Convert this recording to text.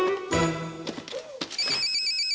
mungkin di grace camp ini